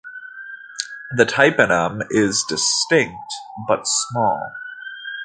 The tympanum is distinct but small.